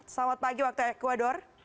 selamat pagi waktu ecuador